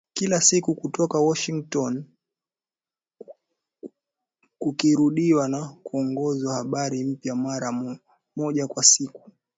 Kila siku kutoka Washington, kikirudiwa na kuongezewa habari mpya, mara moja kwa siku.